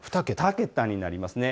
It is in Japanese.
２桁になります。